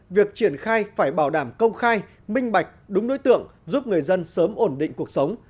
việc triển khai phải bảo đảm công khai minh bạch đúng đối tượng giúp người dân sớm ổn định cuộc sống